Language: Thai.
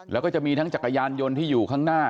แล้วก็จะมีทั้งจักรยานยนต์ที่อยู่ข้างหน้า